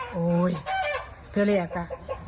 โอ้โหเธอเรียกจ้ะ